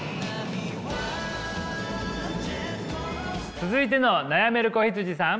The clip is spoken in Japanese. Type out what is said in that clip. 続いての悩める子羊さん。